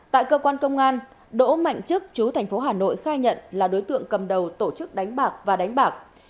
tại cơ quan công an đỗ mạnh trức chú tp hà nội khai nhận là đối tượng cầm đầu tổ chức đánh bạc và đánh bạc